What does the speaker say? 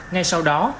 ngay sau đó